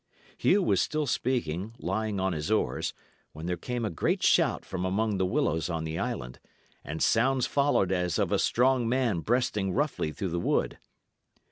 Hugh was still speaking, lying on his oars, when there came a great shout from among the willows on the island, and sounds followed as of a strong man breasting roughly through the wood.